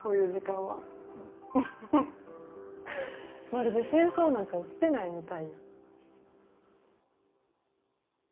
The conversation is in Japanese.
まるで戦争なんか起きてないみたいや。